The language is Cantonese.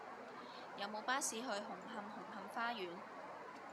有無巴士去紅磡紅磡花園